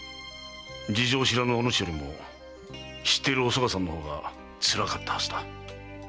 事情を知らぬお主よりも知っているおすがさんの方がつらかったはずだ。